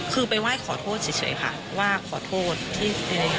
คือไปไหว้ขอโทษเฉยค่ะว่าขอโทษที่